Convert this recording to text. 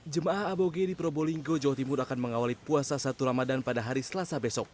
jemaah aboge di probolinggo jawa timur akan mengawali puasa satu ramadan pada hari selasa besok